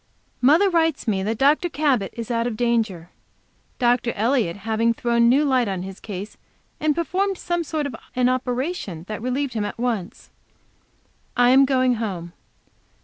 MOTHER writes me that Dr. Cabot is out of danger, Dr. Elliott having thrown new light on his case, and performed some sort of an operation that relieved him at once. I am going home.